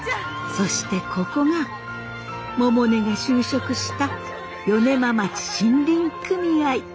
そしてここが百音が就職した米麻町森林組合。